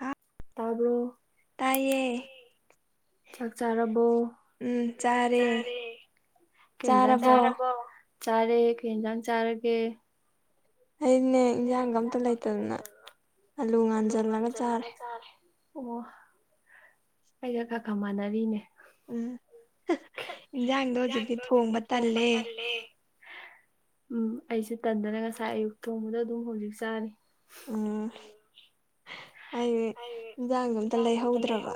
ꯍꯥ ꯇꯥꯕ꯭ꯔꯣ ꯇꯥꯏꯌꯦ ꯎꯝ ꯆꯔꯦ ꯀꯩ ꯌꯦꯟꯖꯥꯡ ꯆꯥꯏ ꯆꯥꯔꯕꯣ ꯆꯥꯔꯦ ꯀꯩ ꯌꯦꯟꯖꯥꯡ ꯆꯥꯔꯒꯦ ꯑꯩꯅꯦ ꯏꯟꯖꯥꯡꯒ ꯑꯝꯇ ꯂꯩꯇꯗꯅ ꯑꯂꯨ ꯉꯥꯟꯖꯤꯜꯂꯒ ꯆꯥꯔꯦ ꯑꯣ ꯑꯩꯒ ꯈꯔ ꯈ ꯃꯥꯟꯅꯔꯤꯅꯦ ꯎꯝ ꯏꯟꯖꯥꯡꯗꯣ ꯍꯧꯖꯤꯛꯇꯤ ꯊꯣꯡꯕ ꯇꯜꯂꯦ ꯑꯩꯁꯦ ꯇꯟꯗꯅ ꯉꯁꯥꯏ ꯑꯌꯨꯛ ꯊꯣꯡꯕꯗ ꯑꯗꯨꯝ ꯍꯧꯖꯤꯛ ꯆꯥꯔꯤ ꯎꯝ ꯑꯩ ꯏꯟꯖꯥꯡꯗꯣ ꯑꯝꯇ ꯂꯩꯍꯧꯗ꯭ꯔꯕ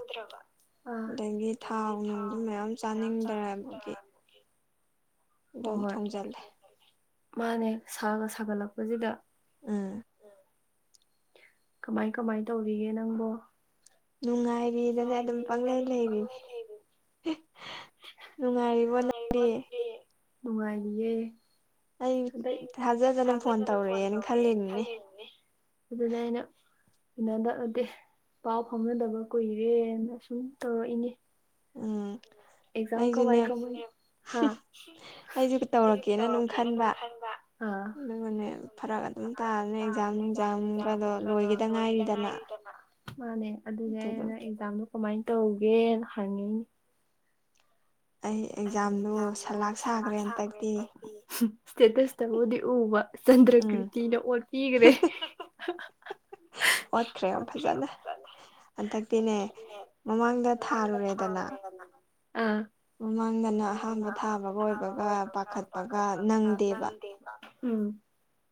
ꯑꯗꯒꯤ ꯊꯥꯎ ꯅꯨꯡꯁꯨ ꯃꯌꯥꯝ ꯆꯥꯅꯤꯡꯗ꯭ꯔꯕꯒꯤ ꯑꯗꯨꯝ ꯊꯣꯡꯖꯤꯜꯂꯦ ꯃꯥꯅꯦ ꯁꯥꯒ ꯁꯥꯒꯠꯂꯛꯄꯁꯤꯗ ꯀꯃꯥꯏ ꯀꯃꯥꯏ ꯇꯧꯔꯤꯒꯦ ꯅꯪꯕꯣ ꯅꯨꯡꯉꯥꯏꯔꯤꯗꯅꯦ ꯑꯗꯨꯝ ꯄꯪꯂꯪ ꯂꯩꯔꯤꯅꯦ ꯅꯨꯡꯉꯥꯏꯔꯤꯕꯣ ꯅꯪꯗꯤ ꯅꯨꯡꯉꯥꯏꯔꯤꯌꯦ ꯑꯩ ꯊꯥꯖꯗꯅ ꯐꯣꯟ ꯇꯧꯔꯛꯑꯦꯅ ꯈꯜꯂꯤꯅꯤꯅꯦ ꯑꯗꯨꯅꯦ ꯑꯩꯅ ꯎꯅꯗꯕꯗꯤ ꯄꯥꯎ ꯐꯥꯎꯅꯗꯕ ꯀꯨꯏꯔꯦꯅ ꯁꯨꯝ ꯇꯧꯔꯛꯏꯅꯦ ꯎꯝ ꯑꯦꯛꯖꯥꯝ ꯀꯃꯥꯏ ꯀꯃ ꯍꯥ ꯑꯩꯖꯨ ꯇꯧꯔꯛꯀꯦꯅ ꯑꯗꯨꯝ ꯈꯟꯕ ꯑꯥ ꯑꯗꯨꯒꯅꯦ ꯐꯔꯛ ꯑꯗꯨꯝ ꯇꯥꯕꯅꯤ ꯑꯦꯛꯖꯥꯝ ꯅꯨꯡꯖꯥꯝꯒ ꯂꯣꯏꯒꯤꯗ ꯉꯥꯏꯔꯤꯗꯅ ꯃꯥꯅꯦ ꯑꯗꯨꯅꯦ ꯅꯪ ꯑꯦꯖꯥꯝꯗꯣ ꯀꯃꯥꯏꯅ ꯇꯧꯒꯦꯅ ꯍꯪꯉꯤꯅꯦ ꯑꯩ ꯑꯦꯛꯖꯥꯝꯗꯨ ꯁꯂꯥꯛ ꯁꯥꯒꯔꯦ ꯍꯟꯗꯛꯇꯤ ꯏꯁꯇꯦꯇꯁꯇꯕꯨꯗꯤ ꯎꯕ ꯆꯟꯗ꯭ꯔ ꯀ꯭ꯔꯤꯇꯤꯅ ꯑꯣꯄꯤꯈ꯭ꯔꯦ ꯑꯣꯠꯈ꯭ꯔꯦ ꯐꯖꯅ ꯍꯟꯗꯛꯇꯤꯅꯦ ꯃꯃꯥꯡꯗ ꯊꯥꯔꯨꯔꯦꯗꯅ ꯃꯃꯥꯡꯗꯅ ꯑꯍꯥꯟꯕ ꯊꯥꯕꯒ ꯑꯣꯏꯕꯒ ꯄꯥꯈꯠꯄꯒ ꯅꯪꯗꯦꯕ ꯎꯝ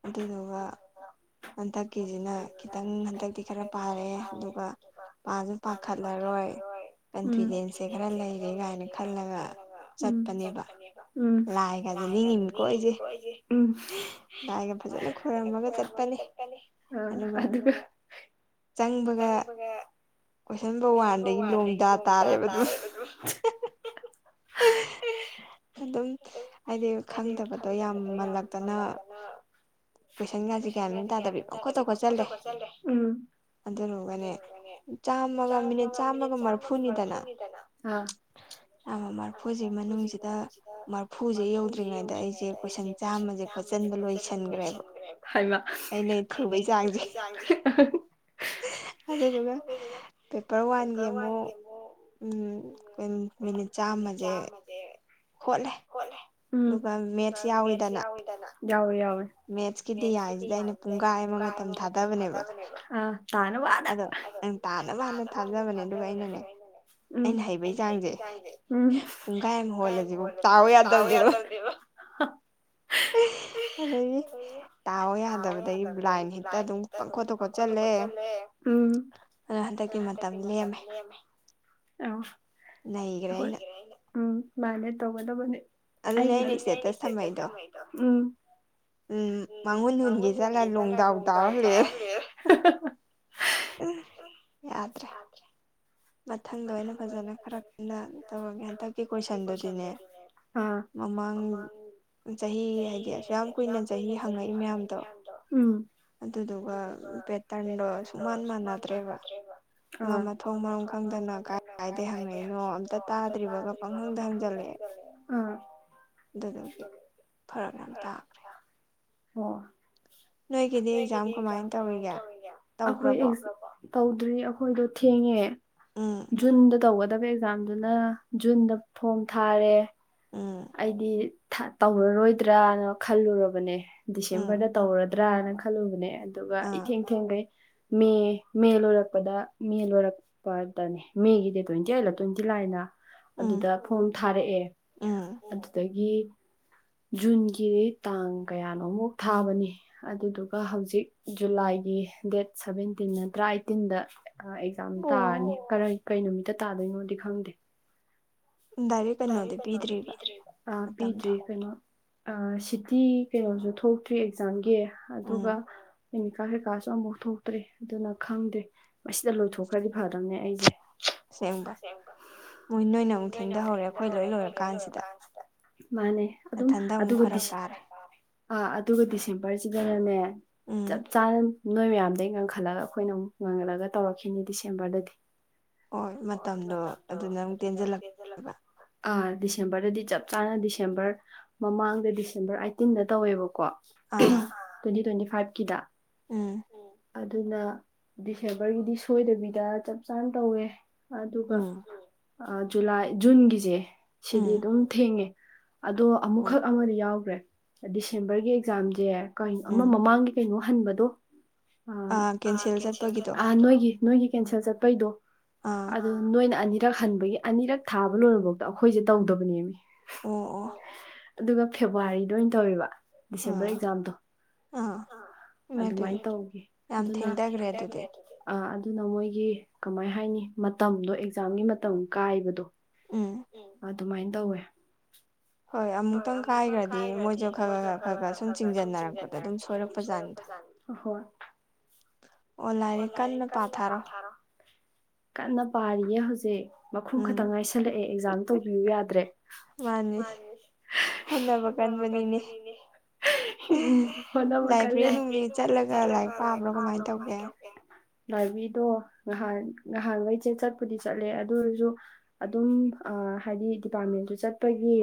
ꯑꯗꯨꯗꯨꯒ ꯍꯟꯇꯛꯀꯤꯁꯤꯅ ꯈꯤꯇꯪ ꯍꯟꯗꯛꯇꯤ ꯈꯔ ꯐꯔꯦ ꯑꯗꯨꯒ ꯄꯥꯁꯨ ꯄꯥꯈꯠꯂꯔꯣꯏ ꯍꯣꯏ ꯀꯟꯐꯤꯗꯦꯟꯁꯁꯦ ꯈꯔ ꯂꯩꯔꯦ ꯀꯥꯏꯅ ꯈꯜꯂꯒ ꯆꯠꯄꯅꯦꯕ ꯎ ꯂꯥꯏꯒꯖꯦ ꯅꯤꯡꯉꯤꯅꯤꯀꯣ ꯑꯩꯁꯦ ꯂꯥꯏ ꯐꯖꯅ ꯈꯣꯏꯔꯝ [unintelligible] ꯑꯗꯨꯒ ꯆꯪꯕꯒ ꯀꯣꯏꯁꯟ ꯅꯝꯕꯔ ꯋꯥꯟꯗꯒꯤ ꯂꯣꯡꯗꯥ ꯇꯥꯔꯦꯕ ꯑꯗꯨꯝ [unintelligible] ꯑꯗꯨꯝ ꯍꯥꯏꯗꯤ ꯈꯪꯗꯕꯗꯣ ꯌꯥꯝ ꯃꯜꯂꯛꯇꯅ ꯀꯣꯏꯁꯟꯒꯁꯦ ꯒ꯭ꯌꯥꯟ ꯃꯦꯟ ꯇꯥꯗꯕꯤ ꯄꯪꯈꯣꯠꯇ ꯈꯣꯠꯆꯜꯂꯦ ꯑꯗꯨꯗꯨꯒꯅꯦ ꯆꯥꯝꯃꯒ ꯃꯤꯅꯤꯠ ꯆꯥꯝꯃꯒ ꯃꯔꯐꯨꯅꯤꯗꯅ ꯑꯥ [inaudible] ꯑꯈꯣꯏ ꯖꯦ ꯃꯥꯅꯨꯡꯁꯤꯗ ꯃꯥꯔꯐꯨꯖꯦ ꯌꯧꯗ꯭ꯔꯤꯉꯩꯗ ꯑꯩꯖꯦ ꯀꯣꯏꯁꯟ ꯆꯥꯝꯃꯁꯦ ꯇꯣꯠꯆꯜꯂꯦ ꯑꯗ ꯂꯣꯏꯁꯟꯈ꯭ꯔꯦꯕ ꯑꯩꯅ ꯊꯨꯕꯩ ꯆꯥꯡꯖꯦ ꯑꯗꯨꯗꯨꯒ ꯄꯦꯄꯔ ꯋꯥꯟꯒꯤ ꯑꯃꯨꯛ ꯎꯝ ꯀꯟ ꯃꯤꯅꯤꯠ ꯆꯥꯝꯃꯖꯦ ꯍꯣꯠꯂꯦ ꯎꯝ ꯑꯗꯨꯒ ꯃꯦꯞꯁ ꯌꯥꯎꯋꯤꯗꯅ ꯃꯦꯠꯁꯀꯤꯗꯤ ꯌꯥꯅꯤꯗ ꯑꯩꯅ ꯄꯨꯡꯒꯥꯏ ꯑꯃ ꯃꯇꯝ ꯊꯥꯗꯕꯅꯦꯕ ꯑꯥ ꯇ ꯑꯗꯣ ꯑꯩꯅ ꯇꯥꯅꯕꯅ ꯊꯥꯖꯕꯅꯦ ꯑꯗꯨꯒ ꯑꯩꯅꯅꯦ ꯎꯝ ꯑꯩꯅ ꯍꯩꯕꯩ ꯆꯥꯡꯖꯦ ꯎꯝ ꯄꯨꯡꯒꯥꯏ ꯑꯝ ꯍꯣꯠꯂꯖꯤꯕꯥꯎ ꯇꯥꯎ ꯌꯥꯗꯕꯅꯦꯕ ꯑꯗꯒꯤ ꯇꯥꯎ ꯌꯥꯗꯕꯗꯒꯤ ꯕꯥꯏꯟ ꯍꯤꯠꯇ ꯑꯗꯨꯝ ꯄꯪ ꯈꯣꯠꯇ ꯈꯣꯠꯆꯜꯂꯦ ꯑꯗꯣ ꯍꯟꯗꯛꯇꯤ ꯃꯇꯝ ꯂꯦꯝꯃꯦ ꯂꯩ ꯒ꯭ꯔꯦ ꯑꯩꯅ ꯎꯝ ꯃꯥꯅꯦ ꯇꯧꯒꯗꯕꯅꯦ ꯑꯩꯒꯤꯗꯤ ꯑꯗꯨꯅꯦ ꯑꯩꯅ ꯏꯁꯇꯦꯇꯥꯁ ꯊꯝꯃꯛꯏꯗꯣ ꯎꯝ ꯎꯝ ꯃꯪꯍꯨꯟ ꯍꯨꯟꯒꯦ ꯆꯠꯂ ꯂꯣꯡꯗꯥꯎ ꯇꯥꯎꯔ ꯍꯜꯂꯦ ꯍꯥ ꯍꯥ ꯑ ꯌꯥꯗ꯭ꯔꯦ ꯃꯊꯪꯗ ꯑꯣꯏꯅ ꯐꯖꯅ ꯈꯔꯀꯟꯅ ꯇꯧꯔꯒꯦ ꯍꯟꯗꯛꯀꯤ ꯀꯣꯏꯁꯟꯗꯨꯗꯤꯅꯦ ꯃꯃꯥꯡ ꯆꯍꯤ ꯍꯥꯏꯗꯤ ꯑꯁꯨꯌꯥꯝ ꯀꯨꯏꯅ ꯆꯍꯤ ꯍꯪꯉꯛꯏ ꯃꯌꯥꯝꯗꯣ ꯑꯗꯨꯗꯨꯒ ꯄꯦꯇꯔꯟꯗꯣ ꯁꯨꯛꯃꯥꯟ ꯃꯥꯟꯅꯗ꯭ꯔꯦꯕ ꯑꯃ ꯃꯊꯣꯡ ꯃꯔꯝ ꯈꯪ ꯗꯅ ꯀꯥꯏ ꯀꯥꯏꯗꯩ ꯍꯪꯉꯛꯏꯅꯣ ꯑꯝꯇ ꯇꯗ꯭ꯔꯤꯕꯒ ꯄꯪꯍꯪꯗ ꯍꯪꯖꯤꯜꯂꯛꯑꯦ ꯑꯗꯨꯗꯨꯒꯤ ꯐꯔꯛ ꯌꯥꯝ ꯇꯈ꯭ꯔꯦ ꯑꯣ ꯅꯣꯏꯒꯤꯗꯤ ꯑꯦꯛꯖꯥꯡ ꯀꯃꯥꯏꯅ ꯇꯧꯔꯤꯒꯦ ꯑꯈꯣꯏ ꯑꯦꯛꯖꯝ ꯇꯧꯒ꯭ꯔꯕꯣ ꯇꯧꯗ꯭ꯔꯤ ꯑꯈꯣꯏꯗꯣ ꯊꯦꯡꯉꯦ ꯖꯨꯟꯗ ꯇꯧ ꯇꯧꯒꯗꯕ ꯑꯦꯛꯖꯥꯝꯗꯨꯅ ꯖꯨꯟꯗ ꯐꯣꯝ ꯊꯔꯦ ꯑꯩꯗꯤ ꯊ ꯇꯧꯔꯔꯣꯏꯗ꯭ꯔꯅ ꯈꯜꯂꯨꯔꯕꯅꯦ ꯗꯤꯁꯦꯝꯕꯔꯗ ꯇꯧꯔ ꯗ꯭ꯔꯥꯅ ꯈꯜꯂꯨꯕꯅꯦ ꯑꯗꯨꯒ ꯏꯊꯦꯡ ꯊꯦꯡꯒꯩ ꯃꯦ ꯃꯦ ꯂꯣꯏꯔꯛꯄꯗ ꯃꯦ ꯂꯣꯏꯔꯛꯄ ꯗꯥ ꯅꯦ ꯃꯦꯒꯤ ꯗꯦꯠ ꯇ꯭ꯋꯦꯟꯇꯤ ꯑꯦꯠꯂ ꯇ꯭ꯋꯦꯟꯇꯤ ꯂꯥꯏꯂ ꯑꯗꯨꯗ ꯐꯣꯝ ꯊꯥꯔꯛꯑꯦ ꯑꯗꯨꯗꯒꯤ ꯖꯨꯟꯒꯤ ꯇꯥꯡ ꯀꯌꯥꯅꯣꯝꯕꯛ ꯊꯥꯕꯅꯤ ꯑꯗꯨꯗꯨꯒ ꯍꯧꯖꯤꯛ ꯖꯨꯂꯥꯏ ꯒꯤ ꯗꯦꯠ ꯁꯚꯦꯟꯇꯤꯟ ꯅꯠꯇ꯭ꯔ ꯑꯥꯏꯠꯇꯤꯟꯗ ꯑꯦꯛꯖꯥꯝ ꯇꯥꯔꯅꯤ ꯀ ꯀꯩ ꯅꯨꯃꯤꯠꯇ ꯇꯗꯣꯏꯅꯣꯗꯤ ꯈꯪꯗꯦ ꯗꯥꯏꯔꯦꯛ ꯀꯩꯅꯣꯗꯤ ꯄꯤꯗ꯭ꯔꯤꯕ ꯑꯥ ꯄꯤꯗ꯭ꯔꯤ ꯀꯩꯅꯣ ꯑꯥ ꯁꯤꯇꯤ ꯀꯩꯅꯣꯖꯨ ꯊꯣꯛꯇ꯭ꯔꯤ ꯑꯦꯛꯖꯥꯝꯒꯤ ꯑꯗꯨꯒ ꯑꯦꯃꯤꯀꯠ ꯀꯩꯀꯥꯖꯨ ꯑꯃꯕꯧ ꯊꯣꯛꯇ꯭ꯔꯤ ꯑꯗꯨꯅ ꯈꯪꯗꯦ ꯃꯁꯤꯗ ꯂꯣꯏꯊꯣꯛꯈ꯭ꯔ ꯐꯗꯝꯅꯦ ꯑꯩꯖꯦ ꯑꯁꯦꯡꯕ ꯅꯣꯏꯅꯃꯨꯛ ꯂꯩꯍꯧꯔꯦ ꯑꯈꯣꯏ ꯂꯣꯏ ꯂꯣꯏꯔ ꯀꯥꯟꯖꯤꯗ ꯃꯥꯅꯦ ꯑꯗꯨꯝ ꯑꯗꯨꯒ ꯗꯤꯁ ꯑꯥ ꯑꯗꯨꯒ ꯗꯤꯁꯦꯝꯕꯔꯁꯤꯗꯅꯅꯦ ꯆꯞ ꯆꯥꯅ ꯅꯣꯏ ꯃꯌꯥꯝꯗꯩ ꯉꯪꯈꯠꯂꯒ ꯑꯈꯣꯏꯅ ꯑꯃꯨꯛ ꯉꯪꯒꯠꯂꯒ ꯇꯧꯔꯛꯈꯤꯅꯤ ꯗꯤꯁꯦꯝꯕꯔꯗꯗꯤ ꯍꯣꯏ ꯃꯇꯝꯗꯣ ꯑꯗꯨꯅ ꯑꯃꯨꯛ ꯇꯦꯟꯖꯜꯂꯛ ꯇꯣꯏꯕ ꯑꯥ ꯗꯤꯁꯦꯝꯕꯔꯗꯗꯤ ꯆꯞ ꯆꯥꯅ ꯗꯤꯁꯦꯝꯕꯔ ꯃꯃꯥꯡꯗ ꯗꯤꯁꯦꯝꯕꯔ ꯑꯥꯏꯠꯇꯤꯟꯗ ꯇꯧꯋꯦꯕꯀꯣ ꯇ꯭ꯋꯦꯟꯇꯤ ꯇ꯭ꯋꯦꯟꯇꯤ ꯐꯥꯏꯚꯀꯤꯗ ꯎꯝ ꯑꯗꯨꯅ ꯗꯤꯁꯦꯝꯕꯔꯒꯤꯗꯤ ꯁꯣꯏꯗꯕꯤꯗ ꯆꯞ ꯆꯥꯅ ꯇꯧꯋꯦ ꯑꯗꯨꯒ ꯖꯨꯂꯥꯏ ꯖꯨꯟꯒꯤꯖꯦ ꯁꯤꯗꯤ ꯑꯗꯨꯝ ꯊꯦꯡꯉꯦ ꯑꯗꯣ ꯑꯃꯨꯛꯈꯛ ꯑꯃꯗ ꯌꯥꯎꯒ꯭ꯔꯦ ꯗꯤꯁꯦꯝꯕꯔꯒꯤ ꯑꯦꯛꯖꯥꯝꯖꯦ ꯀꯩ ꯑꯃꯥ ꯃꯃꯥꯡꯒꯤ ꯀꯩꯅꯣ ꯑꯍꯟꯕꯗꯣ ꯑꯥ ꯅꯣꯏꯒꯤ ꯅꯣꯏꯒꯤ ꯀꯦꯟꯁꯦꯜ ꯆꯠꯄꯩꯗꯣ ꯑꯗꯨ ꯅꯣꯏꯅ ꯑꯅꯤ ꯗꯣ ꯍꯟꯕꯒꯤ ꯑꯅꯤꯔꯛ ꯊꯥꯕ ꯂꯣꯏꯔꯕꯥꯎꯗ ꯑꯩꯈꯣꯏꯁꯦ ꯇꯧꯗꯕꯅꯦꯃꯤ ꯑꯣ ꯑꯣ ꯑꯗꯨꯒ ꯐꯦꯕꯋꯥꯔꯤꯗ ꯑꯣꯏꯟ ꯇꯧꯔꯤꯕ ꯗꯤꯁꯦꯝꯕꯔ ꯑꯦꯛꯖꯥꯝꯗꯣ ꯑꯗꯨꯃꯥꯏ ꯑꯗꯨꯅ ꯊꯦꯡꯊꯒ꯭ꯔꯦ ꯑꯗꯨꯗꯤ ꯑꯥ ꯑꯗꯨꯅ ꯃꯣꯏꯒꯤ ꯀꯃꯥꯏ ꯍꯥꯏꯅꯤ ꯃꯇꯝꯗꯣ ꯑꯦꯛꯖꯥꯝꯒꯤ ꯃꯇꯝ ꯀꯥꯏꯕꯗꯣ ꯑꯗꯨꯃꯥꯏꯟ ꯇꯧꯋꯦ ꯍꯣꯏ ꯑꯃꯨꯛꯇꯪ ꯈꯥꯏꯒ꯭ꯔꯗꯤ ꯃꯣꯏꯁꯨ ꯈꯔ ꯈ ꯈꯔ ꯈꯔ ꯈꯔ ꯁꯨꯝ ꯆꯤꯡꯖꯟꯅꯔꯛꯄꯗ ꯑꯗꯨꯝ ꯁꯣꯏꯔꯛꯄꯖꯥꯠꯅꯤ ꯍꯍꯣꯏ ꯑꯣ ꯂꯥꯏꯔꯤꯛ ꯀꯟꯅ ꯄꯥꯊꯥꯔꯣ ꯀꯟꯅ ꯄꯥꯔꯤꯅꯦ ꯍꯧ ꯃꯈꯨꯝ ꯈꯛꯇ ꯉꯥꯏꯁꯜꯂꯛꯑꯦ ꯑꯦꯛꯖꯥꯝ ꯇꯧꯕꯤꯌꯨ ꯌꯥꯗ꯭ꯔꯦ ꯃꯥꯅꯤ ꯎꯝ ꯍꯣꯠꯅꯕ ꯀꯜꯂꯦ ꯂꯥ ꯂꯥꯏꯔꯤꯛ ꯄꯥꯕ꯭ꯔꯣ ꯀꯃꯥꯏꯟ ꯇꯧꯒꯦ ꯂꯥꯏꯕꯔꯤꯗꯣ ꯉꯍꯥꯟ ꯉꯍꯥꯟꯒꯩꯖꯦ ꯆꯠꯄꯨꯗꯤ ꯆꯠꯂꯦ ꯑꯗꯨ ꯑꯣꯏꯔꯖꯨ ꯑꯗꯨꯝ ꯑꯥ ꯍꯥꯏꯗꯤ ꯗꯤꯄꯥꯔꯠꯃꯦꯟꯁꯨ ꯆꯠꯄꯒꯤ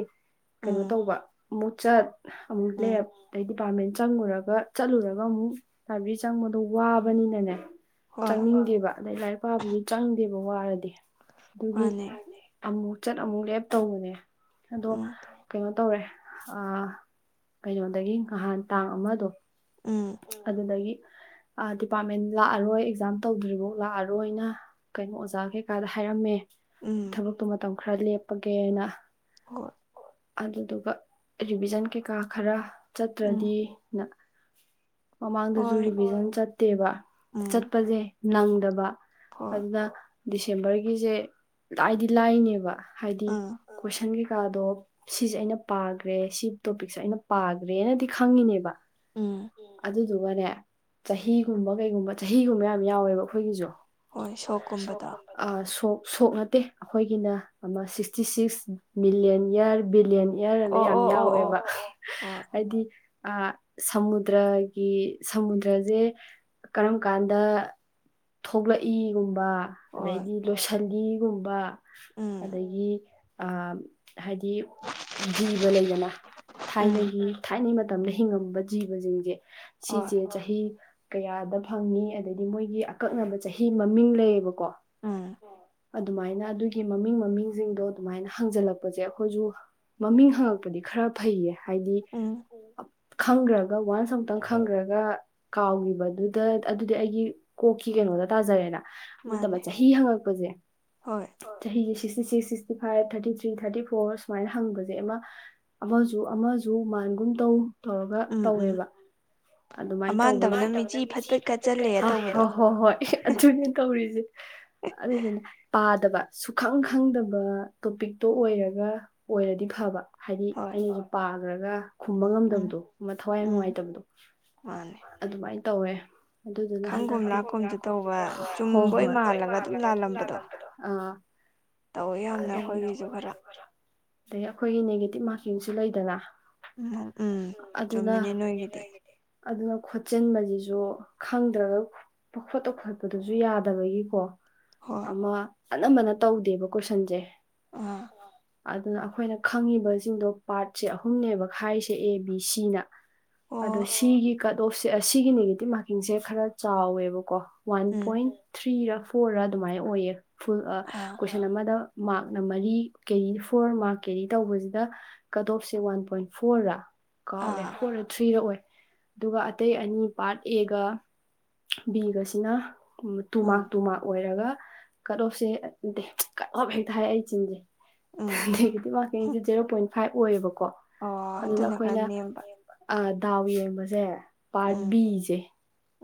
ꯀꯩꯅꯣ ꯇꯧꯕ ꯑꯃꯨꯛ ꯆꯠ ꯑꯃꯨꯛ ꯂꯦꯞ ꯗꯩꯗꯤ ꯗꯤꯄꯥꯔꯠꯃꯦꯟ ꯆꯪꯉꯨꯔꯒ ꯆꯠꯂꯨꯔꯒ ꯑꯃꯨꯛ ꯂꯥꯏꯕ꯭ꯔꯦꯔꯤ ꯆꯪꯕꯗꯣ ꯋꯥꯕꯅꯤꯅꯅꯦ ꯆꯪꯅꯤꯡꯗꯦꯕ ꯑꯗꯩ ꯂꯥꯏꯔꯤꯛ ꯄꯥꯕꯖꯨ ꯆꯪꯗꯦꯕ ꯋꯥꯔꯗꯤ ꯗꯨꯒꯤ ꯑꯃꯨꯛ ꯆꯠ ꯑꯃꯨꯛ ꯂꯦꯞ ꯇꯧꯕꯅꯦ ꯑꯗꯣ ꯀꯩꯅꯣ ꯇꯧꯋꯦ ꯑꯥ ꯀꯩꯅꯣꯗꯒꯤ ꯉꯍꯥꯟ ꯇꯥꯡ ꯑꯃꯗꯣ ꯑꯗꯨꯗꯒꯤ [inaudible] ꯑꯥ ꯗꯤꯄꯥꯔꯠꯃꯦꯟ ꯂꯥꯛꯑꯔꯣꯏ ꯑꯦꯛꯖꯥꯝ ꯇꯧꯗ꯭ꯔꯤꯕꯥꯎ ꯂꯥꯛꯑꯔꯣꯏꯅ ꯀꯩꯅꯣ ꯑꯣꯖꯥ ꯀꯩꯀꯥꯗ ꯍꯥꯏꯔꯝꯃꯦ ꯊꯕꯛꯇꯣ ꯃꯇꯝ ꯈꯔ ꯂꯦꯞꯄꯒꯦꯅ ꯑꯗꯨꯗꯨꯒ ꯔꯤꯚꯤꯖꯟ ꯀꯩꯀꯥ ꯈꯔ ꯆꯠꯇ꯭ꯔꯗꯤꯅ ꯃꯃꯥꯡꯗꯖꯨ ꯔꯤꯚꯤꯖꯟ ꯆꯠꯇꯦꯕ ꯆꯠꯄꯖꯦ ꯅꯪꯗꯕ ꯑꯗꯨꯅ ꯗꯤꯁꯦꯝꯕꯔꯒꯤꯖꯦ ꯂꯥꯏꯗꯤ ꯂꯥꯏꯔꯤꯅꯦꯕ ꯍꯥꯏꯗꯤ ꯀꯣꯏꯁꯟꯒꯤ ꯀꯥꯗꯣ ꯁꯤꯖꯦ ꯑꯩꯅ ꯄꯥꯒ꯭ꯔꯦ ꯁꯤ ꯇꯣꯄꯤꯛꯁꯦ ꯑꯩꯅ ꯄꯥꯒ꯭ꯔꯦꯅꯗꯤ ꯈꯪꯉꯤꯅꯦꯕ ꯑꯗꯨꯗꯨꯒꯅꯦ ꯆꯍꯤꯒꯨꯝꯕ ꯀꯩꯒꯨꯝꯕ ꯆꯍꯤꯒꯨꯝꯕ ꯌꯥꯝ ꯌꯥꯎꯋꯦꯕ ꯑꯩꯈꯣꯏꯒꯤꯖꯨ ꯑꯥ ꯁꯣ ꯁꯣꯛ ꯅꯠꯇꯦ ꯑꯩꯈꯣꯏꯒꯤꯅ ꯑꯃꯥ ꯁꯤꯛꯁꯇꯤ ꯁꯤꯛꯁ ꯃꯤꯂꯦꯟ ꯌꯥꯔ ꯕꯤꯂꯤꯌꯟ ꯌ꯭ꯔ ꯍꯦꯅ ꯌꯥꯝ ꯌꯥꯎꯋꯦꯕ ꯑꯩꯗꯤ ꯑꯥ ꯁꯃꯨꯗ꯭ꯔꯒꯤ ꯁꯃꯨꯗ꯭ꯔꯖꯦ ꯀꯔꯝ ꯀꯥꯟꯗ ꯊꯣꯛꯂꯛꯏꯒꯨꯝ ꯄꯥ ꯑꯗꯩꯗꯤ ꯂꯣꯏꯁꯟꯂꯤꯒꯨꯝꯕ ꯑꯗꯒꯤ ꯑꯝ ꯍꯥꯏꯗꯤ ꯖꯤꯕ ꯂꯩꯗꯅ ꯊꯥꯏꯅꯒꯤ ꯊꯥꯏꯅꯩ ꯃꯥ ꯇꯝꯅ ꯍꯤꯡꯉꯝꯕ ꯖꯤꯕꯖꯤꯡꯖꯦ ꯁꯤꯁꯦ ꯆꯍꯤ ꯀꯌꯥꯗ ꯐꯪꯉꯤ ꯑꯗꯩꯗꯤ ꯃꯣꯏꯒꯤ ꯑꯀꯛꯅꯕ ꯆꯍꯤ ꯃꯃꯤꯡ ꯂꯩꯌꯦꯕꯀꯣ ꯑꯗꯨꯃꯥꯏꯅ ꯑꯗꯨꯒꯤ ꯃꯃꯤꯡ ꯃꯃꯤꯡꯖꯤꯡꯗꯣ ꯑꯗꯨꯃꯥꯏꯅ ꯍꯪꯖꯜꯂꯛ ꯄꯖꯦ ꯑꯩꯈꯣꯏꯕꯨ ꯃꯃꯤꯡ ꯍꯪꯉꯛꯄꯗꯤ ꯈꯔ ꯐꯩꯌꯦ ꯍꯥꯏꯗꯤ ꯈꯪꯒ꯭ꯔ ꯀꯥ ꯋꯥꯟꯁ ꯑꯃꯨꯛꯇꯪ ꯈꯪꯒ꯭ꯔꯒ ꯀꯥꯎꯒꯤꯕꯗꯨꯗ ꯑꯗꯨꯗꯤ ꯑꯩꯒꯤ ꯀꯣꯛꯀꯤ ꯀꯩꯅꯣꯗ ꯇꯥꯖꯔꯦꯅ ꯑꯗ ꯅꯠꯇꯕ ꯆꯍꯤ ꯍꯪꯉꯛꯄꯖꯦ ꯆꯍꯤꯖꯦ sixty six sixty five thirty three thirty four ꯁꯨꯝꯃꯥꯏꯅ ꯍꯪꯕꯖꯦ ꯑꯃ ꯑꯃꯖꯨ ꯑꯃꯖꯨ ꯃꯥꯟꯒꯨꯝ ꯇꯧ ꯇꯧꯔꯒ ꯇꯧꯋꯦꯕ ꯑꯗꯨꯝꯃꯥꯏ ꯇꯧꯕꯅꯤ [unintelligible] ꯍꯣ ꯍꯣꯏ ꯍꯣꯏ ꯑꯗꯨꯅꯦ ꯇꯧꯔꯤꯖꯦ [unintelligible] ꯄꯥꯗꯕ ꯁꯨꯈꯪ ꯈꯪꯗꯕ ꯇꯣꯄꯤꯛꯇꯣ ꯑꯣꯏꯔꯒ ꯑꯣꯏꯔꯗꯤ ꯐꯕ ꯍꯥꯏꯗꯤ ꯑꯩꯅ ꯄꯥꯒ꯭ꯔꯒ ꯈꯨꯝꯕ ꯉꯝꯗꯕꯗꯣ ꯑꯃ ꯊꯋꯥꯏ ꯌꯥꯝ ꯅꯨꯡꯉꯥꯏꯇꯕꯗꯣ ꯃꯥꯟꯅꯦ [unintelligible] ꯇꯧꯋꯦ ꯑꯗꯨꯗꯨꯅ ꯍꯟꯗꯛꯇꯤ ꯈꯪꯒꯨꯝ ꯂꯥꯛꯀꯨꯝꯖꯨ ꯇꯧꯕ [unintelligible] ꯍꯣ ꯍꯣꯏ ꯃꯥꯜꯂꯒ ꯑꯗꯨꯝ ꯂꯥꯜꯂꯝꯕꯗꯣ ꯑ [unintelligible] ꯑꯗꯒꯤ ꯑꯩꯈꯣꯏꯒꯤ ꯅꯦꯒꯦꯇꯤꯞ ꯃꯥꯔꯀꯤꯡꯁꯨ ꯂꯩꯗꯅ ꯎꯝ ꯎꯝ ꯆꯨꯝꯃꯤꯅꯦ ꯅꯣꯏꯒꯤꯗꯤ ꯑꯗꯨꯅ ꯈꯣꯠꯆꯤꯟꯕꯖꯤꯖꯨ ꯈꯪꯗ꯭ꯔꯒ ꯄꯪꯈꯣꯠꯇ ꯈꯣꯠꯄꯗꯨꯁꯨ ꯌꯥꯗꯕꯒꯤꯀꯣ ꯑꯃ ꯑꯅꯝꯕꯅ ꯇꯧꯗꯦꯕ ꯀꯣꯏꯁꯟꯖꯦ ꯑꯗꯨꯅ ꯑꯈꯣꯏꯅ ꯈꯪꯉꯤꯕꯖꯤꯡꯗꯣ ꯄꯥꯔꯠꯁꯦ ꯑꯍꯨꯝꯅꯦꯕ ꯈꯥꯏꯔꯤꯁꯦ ꯑꯦ ꯕꯤ ꯁꯤꯅ ꯑꯗꯣ ꯁꯤꯒꯤ ꯀꯠ ꯑꯣꯐꯁꯦ ꯁꯤꯒꯤ ꯅꯦꯒꯦꯇꯤꯞ ꯃꯥꯔꯀꯤꯡꯁꯦ ꯈꯔ ꯆꯥꯎꯋꯦꯕꯀꯣ ꯋꯥꯟ ꯄꯣꯏꯟ ꯊ꯭ꯔꯤꯔ ꯐꯣꯔꯔ ꯑꯗꯨꯝꯃꯥꯏ ꯑꯣꯏꯌꯦ ꯐꯨꯜ ꯀꯣꯏꯁꯟ ꯑꯃꯗ ꯃꯥꯔꯛꯅ ꯃꯔꯤ ꯀꯦꯔꯤ ꯐꯣꯔ ꯃꯥꯔꯛ ꯀꯦꯔꯤ ꯇꯧꯕꯖꯤꯗ ꯀꯠ ꯑꯣꯞꯁꯦ ꯋꯥꯟ ꯄꯣꯏꯟ ꯐꯣꯔꯔ ꯀꯥꯎꯔꯦ ꯐꯣꯔ ꯔ ꯊ꯭ꯔꯤꯔ ꯑꯣꯏ ꯑꯗꯨꯒ ꯑꯇꯩ ꯑꯅꯤ ꯄꯥꯔꯠ ꯑꯦꯒ ꯕꯤꯒꯁꯤꯅ ꯇꯨ ꯃꯥꯔꯛ ꯇꯨ ꯃꯥꯔꯛ ꯑꯣꯏꯔꯒ ꯀꯠ ꯑꯣꯐꯁꯦ ꯅꯠꯇꯦ ꯀꯠ ꯑꯣꯐ ꯍꯦꯛꯇ ꯍꯥꯏ ꯑꯩ ꯆꯤꯟꯖꯦ [unintelligible] ꯅꯦꯒꯦꯇꯤꯞ ꯃꯥꯀꯤꯡꯖꯦ ꯖꯦꯔꯣ ꯄꯣꯏꯟ ꯐꯥꯏꯚ ꯑꯣꯏꯕ ꯀꫭ ꯑꯗꯨꯅ ꯑꯩꯈꯣꯏꯅ [unintelligible] ꯑ ꯗꯥꯎ ꯌꯦꯡꯕꯖꯦ ꯄꯥꯔꯠ ꯕꯤꯖꯦ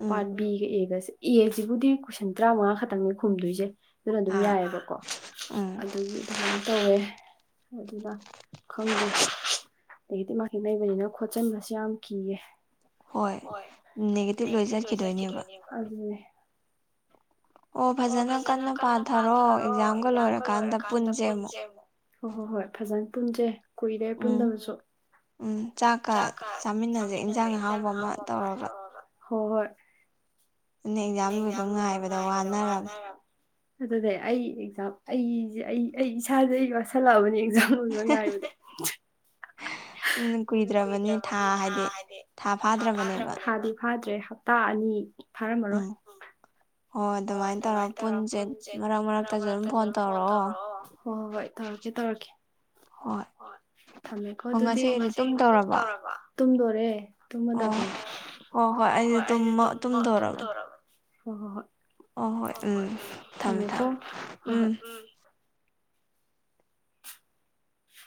ꯄꯥꯠ ꯕꯤꯒ ꯑꯦꯒꯁꯦ ꯑꯦꯖꯤꯕꯨꯗꯤ ꯀꯣꯏꯁꯟ ꯇꯔꯥꯃꯉꯥ ꯈꯇꯪꯅꯦ ꯈꯨꯝꯗꯣꯏꯖꯦ ꯑꯗꯨꯅ ꯑꯗꯨꯝ ꯌꯥꯏꯌꯦꯕꯀꯣ ꯑꯗꯨꯒꯤ ꯑꯗꯨꯝꯃꯥꯏꯟ ꯇꯧꯋꯦ ꯑꯗꯨꯅ ꯈꯪꯗꯦ ꯅꯦꯒꯦꯇꯤꯞ ꯃꯥꯀꯤꯡ ꯂꯩꯕꯅꯤꯅ ꯈꯣꯠꯆꯟꯕꯁꯦ ꯌꯥꯝ ꯀꯤꯌꯦ ꯍꯣꯏ ꯅꯦꯒꯦꯇꯤꯞ ꯂꯣꯏ ꯆꯠꯈꯤꯗꯣꯏꯅꯦꯕ ꯑꯣ ꯐꯖꯅ ꯀꯟꯅ ꯄꯥꯊꯔꯣ ꯑꯦꯛꯖꯥꯝꯒ ꯂꯣꯏꯔꯀꯥꯟꯗ ꯄꯨꯟꯖꯦ ꯑꯃꯨꯛ ꯍꯣ ꯍꯣꯏ ꯍꯣꯏ ꯐꯖꯅ ꯄꯨꯟꯖꯦ ꯀꯨꯏꯔꯦ ꯄꯨꯟꯗꯕꯁꯨ ꯎꯝ ꯆꯥꯛꯀ ꯆꯥꯃꯤꯟꯅꯖꯦ ꯏꯟꯖꯥꯡ ꯑꯍꯥꯎꯕ ꯑꯃ ꯇꯧꯔꯒ ꯍꯣ ꯍꯣꯏ [unintelligible] ꯑꯦꯛꯖꯥꯝ ꯂꯣꯏꯕ ꯉꯥꯏꯕꯗ ꯋꯥꯅꯔꯝꯅꯦ ꯑꯗꯨꯅꯦ ꯑꯩ ꯑꯦꯛꯖꯥꯝ ꯑꯩꯖꯦ ꯑꯩ ꯑꯩ ꯏꯁꯥꯖꯦ ꯑꯩ ꯋꯥꯠꯁꯜꯂꯑꯕꯅꯦ ꯑꯦꯛꯖꯥꯝ ꯂꯣꯏꯕ ꯉꯥꯏꯕꯗ [unintelligible] ꯀꯨꯏꯗ꯭ꯔꯕꯅꯤ ꯊꯥ ꯍꯥꯏꯗꯤ ꯊꯥ ꯐꯥꯗ꯭ꯔꯕꯅꯤ ꯊꯥꯗꯤ ꯐꯥꯗ꯭ꯔꯦ ꯍꯞꯇꯥ ꯑꯅꯤ ꯐꯥꯔꯝꯃꯔꯣꯏ ꯍꫭ ꯑꯗꯨꯝꯃꯥꯏꯅ ꯇꯧꯔꫭ ꯄꯨꯟꯖꯦ ꯃꯔꯛ ꯃꯔꯛꯇꯖꯨ ꯑꯗꯨꯝ ꯐꯣꯟ ꯇꯧꯔꯛꯑꯣ ꯍꯣ ꯍꯣꯏ ꯇꯧꯔꯛꯀꯦ ꯇꯧꯔꯛꯀꯦ ꯍꫭꯏ ꯊꯝꯃꯦꯀꯣ ꯑꯗꯨꯗꯤ ꯉꯁꯤꯒꯤ ꯇꯨꯝꯗꯣꯔꯕꯣ ꯇꯨꯝꯗꯣꯔꯦ ꯇꯨꯝꯃꯗꯕꯅꯤ ꯍꫭ ꯍꯣꯏ ꯑꯩꯖꯨ ꯇꯨꯝꯃ ꯇꯨꯝꯗꯣꯔꯕꯅꯤ ꯍꯣ ꯍꯣ ꯍꯣꯏ ꯑꫭ ꯍꯣꯏ ꯎꯝ ꯊꯝꯃꯦꯀꯣ ꯍꯣꯏ ꯍꯣꯏ ꯎꯝ